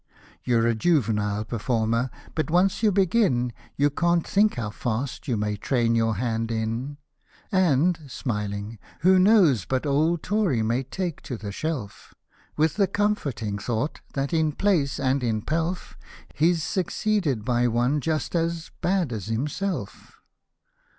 You're a juvenile performer, but once you begin, You can't think how fast you may train your hand in : And {smilijig) who knows but old Tory may take to the shelf. With the comforting thought that, in place and in pelf. He's succeeded by one just as — bad as himself?